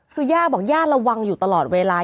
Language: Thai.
คือย่าบอกย่าระวังอยู่ตลอดเวลา